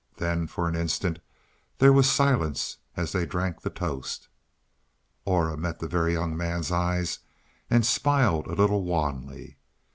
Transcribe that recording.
Then for an instant there was silence as they drank the toast. Aura met the Very Young Man's eyes and smiled a little wanly.